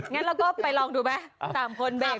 งั้นเราก็ไปลองดูไหม๓คนเบรก